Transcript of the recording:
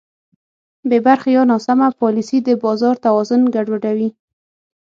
بېبرخې یا ناسمه پالیسي د بازار توازن ګډوډوي.